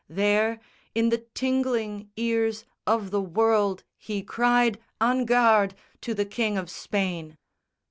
There, in the tingling ears Of the world he cried, En garde! to the King of Spain.